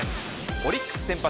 オリックス先発